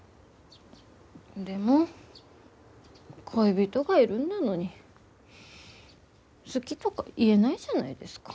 でも恋人がいるんだのに好きとか言えないじゃないですか。